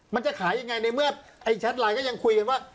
มันจะขายยังไงในเมื่อไอ้แชทไลน์ก็ยังคุยกันว่า